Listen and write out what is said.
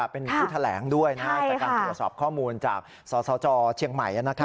เป็นผู้แถลงด้วยจากการตรวจสอบข้อมูลจากสสจเชียงใหม่